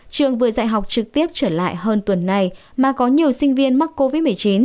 trường vừa dạy học trực tiếp trở lại hơn tuần này mà có nhiều sinh viên mắc covid một mươi chín